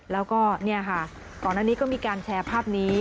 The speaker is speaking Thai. แล้วก็เนี่ยค่ะก่อนอันนี้ก็มีการแชร์ภาพนี้